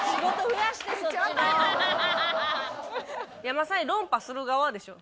まさに論破する側でしょ？